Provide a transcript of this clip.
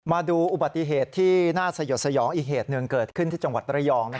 มาดูอุบัติเหตุที่น่าสยดสยองอีกเหตุหนึ่งเกิดขึ้นที่จังหวัดระยอง